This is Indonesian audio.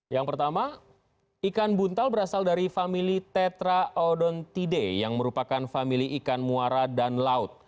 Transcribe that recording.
yang pertama ikan buntal berasal dari famili tetraodontide yang merupakan famili ikan muara dan laut